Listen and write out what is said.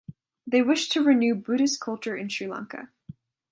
They wished to renew Buddhist culture in Sri Lanka.